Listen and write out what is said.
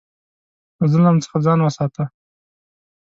له ظلم څخه ځان وساته.